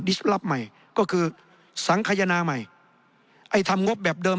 ลับใหม่ก็คือสังขยนาใหม่ไอ้ทำงบแบบเดิม